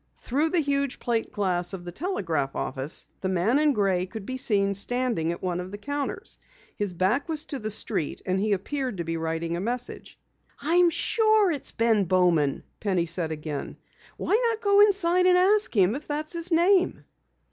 Through the huge plate glass window of the telegraph office, the man in gray could be seen standing at one of the counters. His back was to the street and he appeared to be writing a message. "I'm sure it's Ben Bowman," Penny said again. "Why not go inside and ask him if that's his name?"